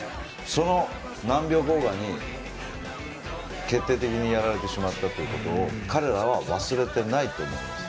その何秒後かに決定的にやられてしまったことを彼らは忘れてないと思います。